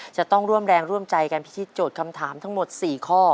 จะต้องร่วมแรงร่วมใจกันพิธีโจทย์คำถามทั้งหมด๔ข้อ